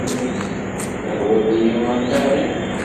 Terwiḍ-iyi allaɣ-iw!